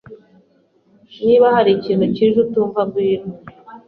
Niba hari ikintu kije utumva, ngwino.